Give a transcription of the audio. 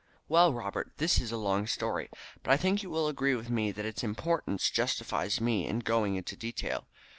"Well, Robert, this is a long story, but I think that you will agree with me that its importance justifies me in going into detail.